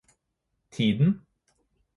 tiden